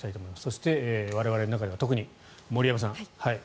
そして、我々の中では特に森山さん